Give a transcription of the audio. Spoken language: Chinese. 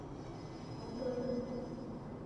王德人。